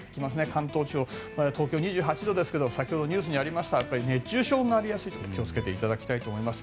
関東地方、東京２８度ですけどさっきニュースにもありました熱中症になりやすいので気をつけていただきたいです。